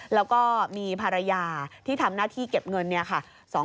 แล้วก็มีภรรยาที่ทำหน้าที่เก็บเงิน